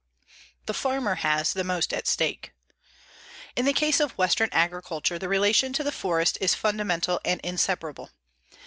THE FARMER HAS THE MOST AT STAKE In the case of western agriculture, the relation to the forest is fundamental and inseparable.